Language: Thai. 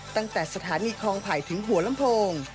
ตั้งแต่สถานีคลองไผ่ถึงหัวลำโพง